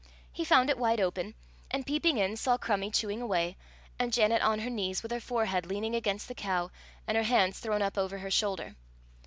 He found it wide open, and peeping in, saw Crummie chewing away, and Janet on her knees with her forehead leaning against the cow and her hands thrown up over her shoulder.